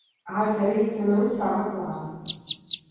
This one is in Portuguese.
A referência não estava clara